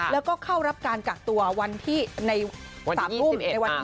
แล้วก็เข้ารับการกัดตัวในวันที่๒๑ตอน๓ทุ่ม